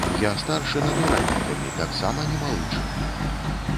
Я старшы над ураднікамі, таксама не малы чын.